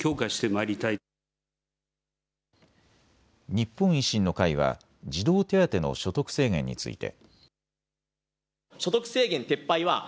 日本維新の会は児童手当の所得制限について。